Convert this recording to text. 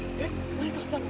何かあったの？